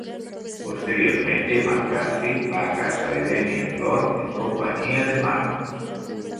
Posteriormente, McCarthy va a casa de Damien Lord en compañía de Marv.